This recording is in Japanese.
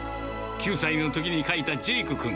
９歳のときに書いたジェイク君。